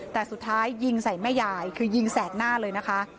แต่สุดท้ายยิงใส่แม่ยายคือยิงแสกหน้าเลยนะคะ